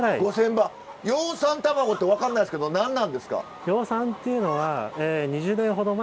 葉酸たまごって分かんないですけど何なんですか？